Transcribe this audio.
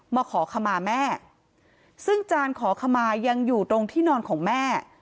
มาขอขมาแม่ซึ่งจานขอขมายังอยู่ตรงที่นอนของแม่